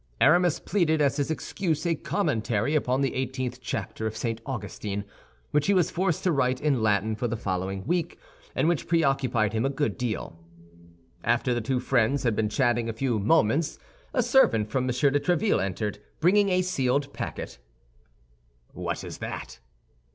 Aramis pleaded as his excuse a commentary upon the eighteenth chapter of St. Augustine, which he was forced to write in Latin for the following week, and which preoccupied him a good deal. After the two friends had been chatting a few moments, a servant from M. de Tréville entered, bringing a sealed packet. "What is that?"